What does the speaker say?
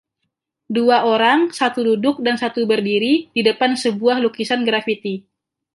Dua orang, satu duduk dan satu berdiri, di depan sebuah lukisan grafiti.